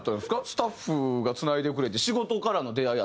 スタッフがつないでくれて仕事からの出会いやったのか。